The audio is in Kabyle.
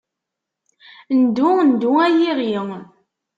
Ndu, ndu ay iɣi.